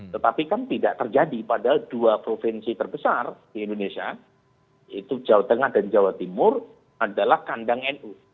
tetapi kan tidak terjadi padahal dua provinsi terbesar di indonesia itu jawa tengah dan jawa timur adalah kandang nu